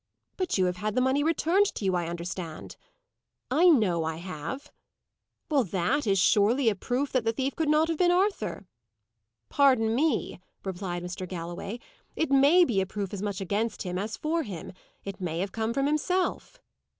"But you have had the money returned to you, I understand." "I know I have." "Well, that surely is a proof that the thief could not have been Arthur." "Pardon me," replied Mr. Galloway, "It may be a proof as much against him as for him: it may have come from himself."